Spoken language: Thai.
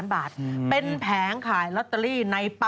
คนไหนคือคนขายอ่ะพี่